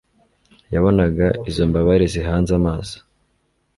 Yabonaga izo mbabare zihanze amaso